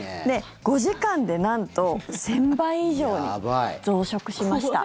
５時間でなんと１０００倍以上に増殖しました。